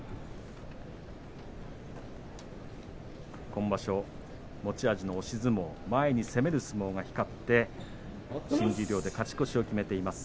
今場所、持ち味の押し相撲前に攻める相撲が光って新十両で勝ち越しを決めています。